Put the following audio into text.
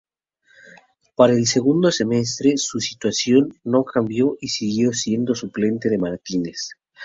Para el segundo semestre su situación no cambió y siguió siendo suplente de Martínez.